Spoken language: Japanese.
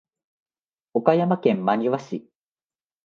岡山県真庭市